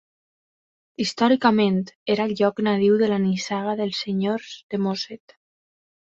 Històricament, era el lloc nadiu de la nissaga dels senyors de Mosset.